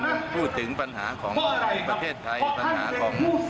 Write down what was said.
ส่วนนี่คืออดีตพระพุทธาอิสระนะครับ